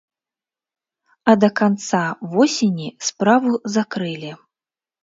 А да канца восені справу закрылі.